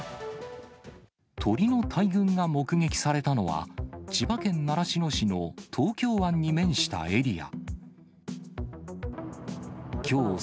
鳥の大群が目撃されたのは、千葉県習志野市の東京湾に面したエリア。